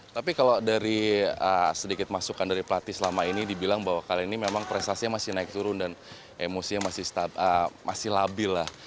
tapi kalau dari sedikit masukan dari pelatih selama ini dibilang bahwa kali ini memang prestasinya masih naik turun dan emosinya masih labil lah